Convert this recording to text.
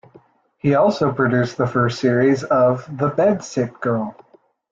He also produced the first series of "The Bed-Sit Girl".